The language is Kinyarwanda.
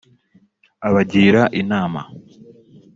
abagira inama